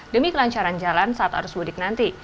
demi kelancaran jalan saat arus mudik nanti